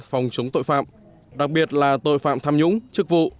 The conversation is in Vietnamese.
phòng chống tội phạm đặc biệt là tội phạm tham nhũng chức vụ